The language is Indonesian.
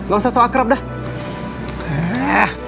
gak usah sok akrab dah